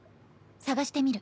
探してみる。